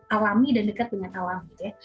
alami dan dekat dengan alam gitu ya